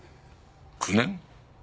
９年？